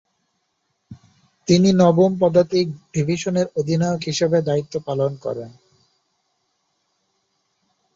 তিনি নবম পদাতিক ডিভিশনের অধিনায়ক হিসেবে দায়িত্ব পালন করেন।